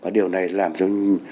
điều này làm cho